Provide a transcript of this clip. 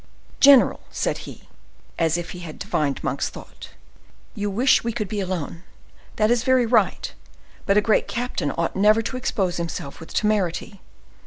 "General," said he, as if he had divined Monk's thought, "you wish we should be alone; that is very right, but a great captain ought never to expose himself with temerity.